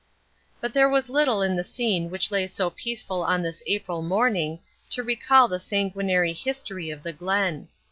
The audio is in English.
But there was little in the scene which lay so peaceful on this April morning to recall the sanguinary history of the Glen.